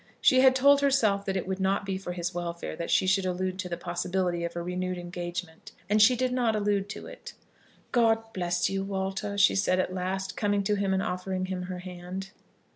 She had told herself that it would not be for his welfare that she should allude to the possibility of a renewed engagement, and she did not allude to it. "God bless you, Walter," she said at last, coming to him and offering him her hand.